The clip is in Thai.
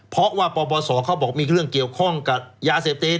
เพราะว่าปปศเขาบอกมีเรื่องเกี่ยวข้องกับยาเสพติด